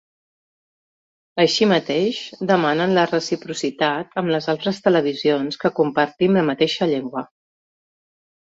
Així mateix, demanen la reciprocitat amb les altres televisions que compartim la mateixa llengua.